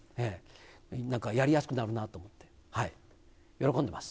なんかやりやすくなるなと思って、喜んでます。